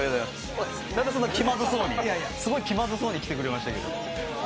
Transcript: なんでそんな気まずそうに気まずそうに来てくれましたけど。